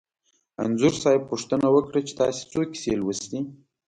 انځور صاحب پوښتنه وکړه چې تاسې څو کیسې لوستي.